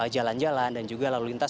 jalan jalan dan juga lalu lintas